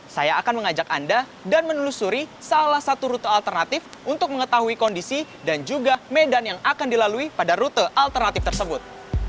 saya akan mengajak anda dan menelusuri salah satu rute alternatif untuk mengetahui kondisi dan juga medan yang akan dilalui pada rute alternatif tersebut